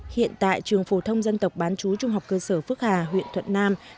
hiện tại trường phổ thông dân tộc bán chú trung học cơ sở phước hà huyện thuận nam